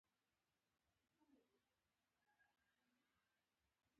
ساده ګولایي یو دایروي قوس دی